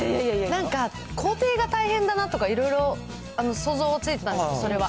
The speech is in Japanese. なんか、工程が大変だなとか、いろいろ想像はついてたんですけど、それは。